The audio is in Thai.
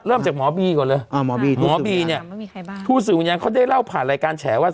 เริ่มจากหมอบีก่อนเลยอ๋อหมอบีหมอบีเนี้ยไม่มีใครบ้างทูศูนยังเขาได้เล่าผ่านรายการแฉว่า